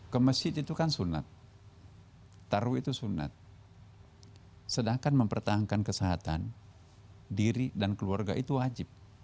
ke masjid itu kan sunat taruh itu sunat sedangkan mempertahankan kesehatan diri dan keluarga itu wajib